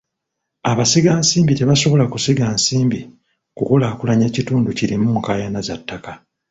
Abasigansimbi tebasobola kusiga nsimbi kulaakulanya kitundu kirimu nkaayana za ttaka.